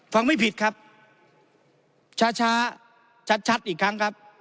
ไม่ผิดครับช้าช้าชัดอีกครั้งครับ